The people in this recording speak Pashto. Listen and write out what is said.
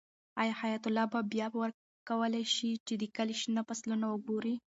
آیا حیات الله به بیا وکولی شي چې د کلي شنه فصلونه وګوري؟